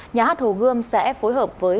nhà hát hồ gươm sẽ phối hợp với